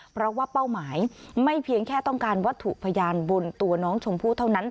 เพราะว่าเป้าหมายไม่เพียงแค่ต้องการวัตถุพยานบนตัวน้องชมพู่เท่านั้น